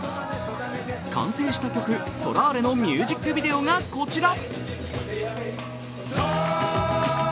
完成した曲「ソラーレ」のミュージックビデオがこちら。